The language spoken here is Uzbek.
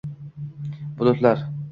Bulutlar…